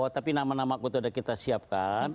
tapi nama nama aku sudah kita siapkan